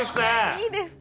いいですか。